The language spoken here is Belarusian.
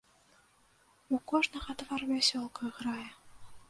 У кожнага твар вясёлкай грае.